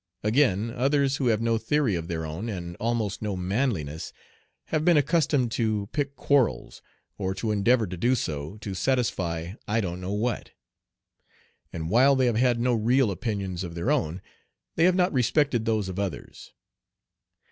Again, others, who have no theory of their own, and almost no manliness, have been accustomed "to pick quarrels," or to endeavor to do so, to satisfy I don't know what; and while they have had no real opinions of their own, they have not respected those of others.